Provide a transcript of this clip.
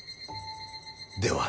では